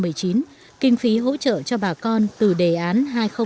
nhưng riêng năm hai nghìn một mươi chín kinh phí hỗ trợ cho bà con từ đề án hai nghìn tám mươi sáu